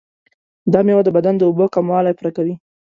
دا میوه د بدن د اوبو کموالی پوره کوي.